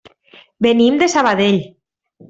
Venim de Sabadell.